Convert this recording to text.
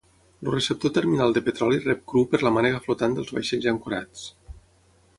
El receptor terminal de petroli rep cru per la mànega flotant dels vaixells ancorats.